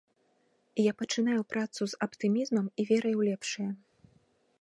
Я пачынаю працу з аптымізмам і верай у лепшае.